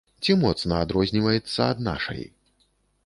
Ці моцна адрозніваецца ад нашай?